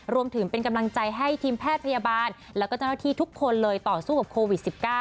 รวมถึงเป็นกำลังใจให้ทีมแพทย์พยาบาลแล้วก็เจ้าหน้าที่ทุกคนเลยต่อสู้กับโควิด๑๙